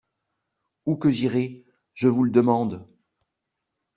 Où que j'irai, je vous le demande?